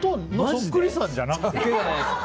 そっくりさんじゃないです。